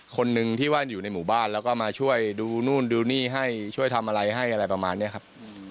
คนหนึ่งที่ว่าอยู่ในหมู่บ้านแล้วก็มาช่วยดูนู่นดูนี่ให้ช่วยทำอะไรให้อะไรประมาณนี้ครับ